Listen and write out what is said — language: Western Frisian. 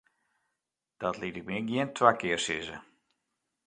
Dat liet ik my gjin twa kear sizze.